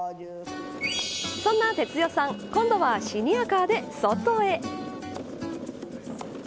そんな哲代さん今度はシニアカーで外へ。